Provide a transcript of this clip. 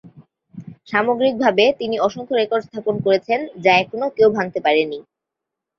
সামগ্রিকভাবে, তিনি অসংখ্য রেকর্ড স্থাপন করেছেন, যা এখনো কেউ ভাঙতে পারেনি।